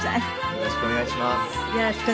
よろしくお願いします。